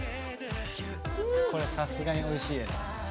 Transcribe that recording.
これさすがにおいしいです。